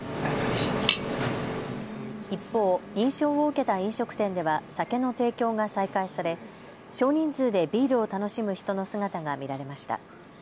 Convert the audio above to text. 一方、認証を受けた飲食店では酒の提供が再開され少人数でビールを楽しむ人の姿が見られました。